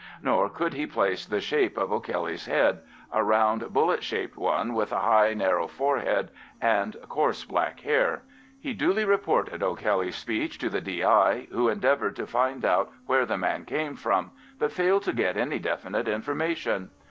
Nor could he place the shape of O'Kelly's head, a round bullet shaped one with a high narrow forehead and coarse black hair. He duly reported O'Kelly's speech to the D.I., who endeavoured to find out where the man came from, but failed to get any definite information.